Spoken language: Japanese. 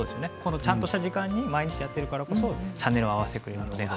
ちゃんとした時間に毎日やってるからチャンネルを合わせてくれるので。